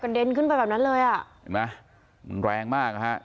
เด็นขึ้นไปแบบนั้นเลยอ่ะเห็นไหมมันแรงมากนะฮะ